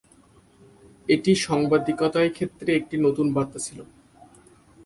এটি সাংবাদিকতার ক্ষেত্রে একটি নতুন বার্তা ছিল।